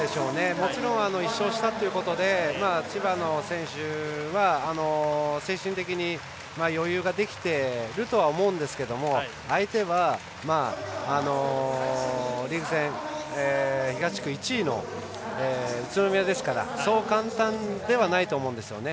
もちろん、１勝したということで千葉の選手は精神的に余裕ができてるとは思うんですけれども相手は、リーグ戦東地区１位の宇都宮ですからそう簡単ではないと思うんですね。